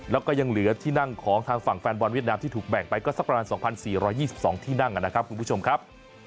แล้วก็ยังเหลือที่นั่งของทางฝั่งแฟนบอลเวียดนามที่ถูกแบ่งไปก็สักประมาณ๒๔๒๒ที่นั่งนะครับคุณผู้ชมครับ